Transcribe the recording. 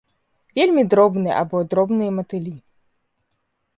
Вельмі дробныя або дробныя матылі.